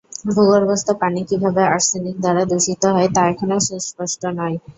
ভূগর্ভস্থ পানি কিভাবে আর্সেনিক দ্বারা দুষিত হয় তা এখনও সুস্পষ্ট নয়।